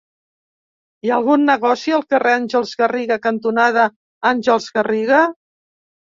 Hi ha algun negoci al carrer Àngels Garriga cantonada Àngels Garriga?